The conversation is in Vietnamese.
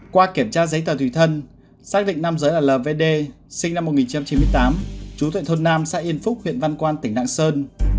qua kiểm tra giấy tờ thùy thân xác định năm giới là lô văn đê sinh năm một nghìn chín trăm chín mươi tám chú thuận thôn nam xã yên phúc huyện văn quan tỉnh đảng sơn